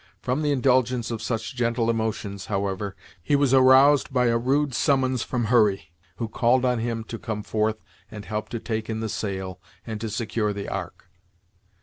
From the indulgence of such gentle emotions, however, he was aroused by a rude summons from Hurry, who called on him to come forth and help to take in the sail, and to secure the Ark.